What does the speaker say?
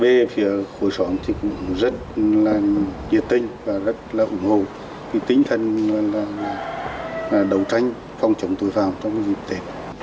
về khối xóm thì cũng rất nhiệt tinh và rất ủng hộ tinh thần đấu tranh phòng chống tội phạm trong dịch tệ